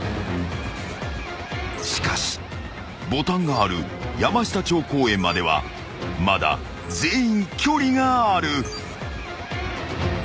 ［しかしボタンがある山下町公園まではまだ全員距離がある］